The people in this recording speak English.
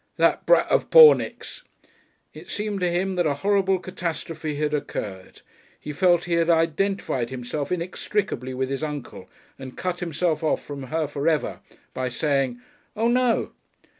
"That brat of Pornick's!" It seemed to him that a horrible catastrophe had occurred. He felt he had identified himself inextricably with his uncle, and cut himself off from her for ever by saying "Oh, no!"